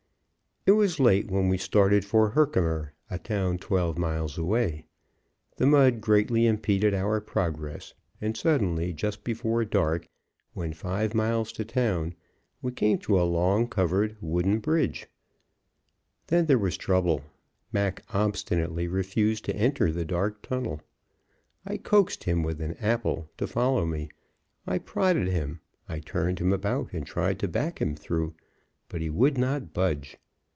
It was late when we started for Herkimer, a town twelve miles away. The mud greatly impeded our progress and, suddenly, just before dark, when five miles to town, we came to a long, covered, wooden bridge. Then there was trouble. Mac obstinately refused to enter the dark tunnel. I coaxed him with an apple to follow me; I prodded him; I turned him about and tried to back him through; but he would not budge.